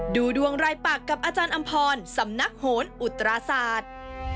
ดูดวงรายปากกับอาจารย์อำพรสำนักโหนอุตราศาสตร์